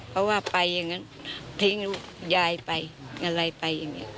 เพราะว่าไปอย่างนั้นทิ้งยายไปหรืออะไรไป